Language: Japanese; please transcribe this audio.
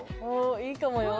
いいかもよ！